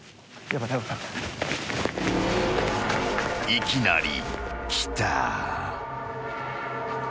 ［いきなり来た］